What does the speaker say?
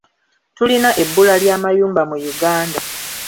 Tulina ebbula ly'amayumba mu Uganda.